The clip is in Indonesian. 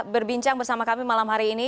berbincang bersama kami malam hari ini